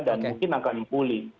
dan mungkin akan dipuli